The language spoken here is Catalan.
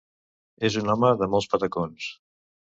És un home de molts patacons.